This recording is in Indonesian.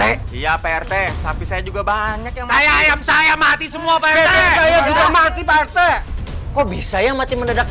iya pak rt tapi saya juga banyak yang saya ayam saya mati semua pak rt kok bisa ya mati menerak